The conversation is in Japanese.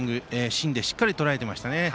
芯でしっかりとらえていましたね。